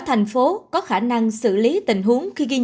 thành phố có khả năng xử lý tình huống khi ghi